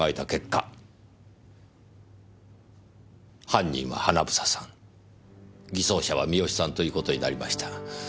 犯人は英さん偽装者は三好さんという事になりました。